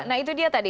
nah itu dia tadi